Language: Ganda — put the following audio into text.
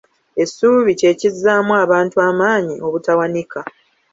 Essuubi kye kizzaamu abantu amaanyi obutawanika.